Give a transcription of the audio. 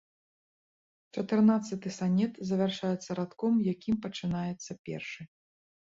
Чатырнаццаты санет завяршаецца радком, якім пачынаецца першы.